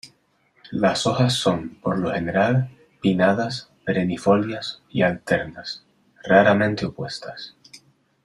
Las hojas son, por lo general, pinnadas, perennifolias y alternas, raramente opuestas.